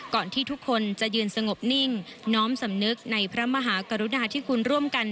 ที่ทุกคนจะยืนสงบนิ่งน้อมสำนึกในพระมหากรุณาที่คุณร่วมกัน